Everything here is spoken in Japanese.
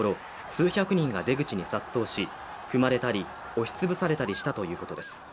数百人が出口に殺到し、踏まれたり押しつぶされたりしたということです。